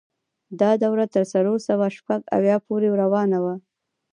دا دوره تر څلور سوه شپږ اویا پورې روانه وه.